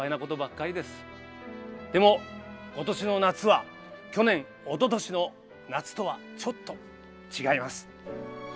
でも今年の夏は去年おととしの夏とはちょっと違います。